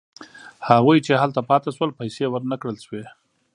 هغوی چې هلته پاتې شول پیسې ورنه کړل شوې.